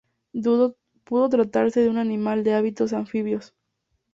Pudo tratarse de un animal de hábitos anfibios.